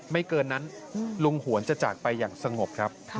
ไม่เกินนั้นลุงหวนจะจากไปอย่างสงบครับ